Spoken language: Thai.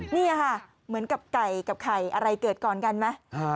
นี่ค่ะเหมือนกับไก่กับไข่อะไรเกิดก่อนกันไหม